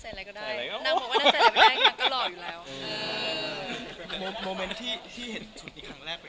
ใส่อะไรก็ได้เนาะ